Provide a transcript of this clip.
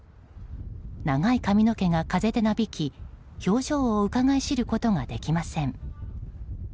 長い髪の毛が風でなびき表情をうかがい知ることができません。